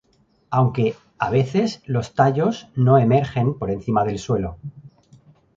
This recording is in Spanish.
Aunque, a veces los tallos no emergen por encima del suelo.